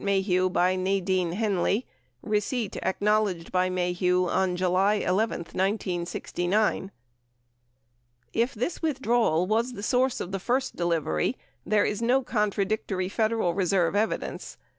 Maheu by Nadine Henley, receipt ac knowledged by Maheu on July 11, 1969). — If this withdrawal was the source of the first del i very, there is no contradictory Federal Reserve evidence.